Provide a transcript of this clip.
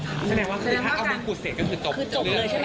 แสดงว่าถ้าเอาเรื่องกรุษเสร็จก็คือจบเลยใช่ไหม